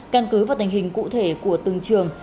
căn cứ và tình hình cụ thể của từng trường